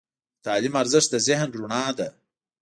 د تعلیم ارزښت د ذهن رڼا ده.